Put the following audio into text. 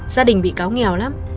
gia đình bị cáo nghèo lắm